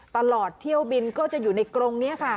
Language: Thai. ตลอดเที่ยวบินก็จะอยู่ในกรงนี้ค่ะ